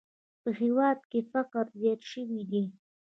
په هېواد کې فقر زیات شوی دی!